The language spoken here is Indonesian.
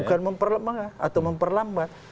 bukan memperlemah atau memperlambat